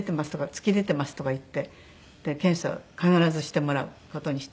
突き出てます」とか言って検査を必ずしてもらう事にしてる。